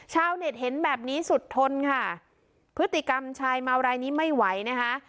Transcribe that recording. ชาวเน็ตเห็นแบบนี้สุดทนค่ะพฤติกรรมชายเมารายนี้ไม่ไหวนะคะ